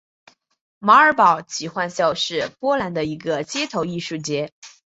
马尔堡奇幻秀是波兰的一个街头艺术节。